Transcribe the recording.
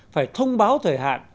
phải thông báo thời gian